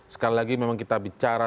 sekali lagi memang kita bicara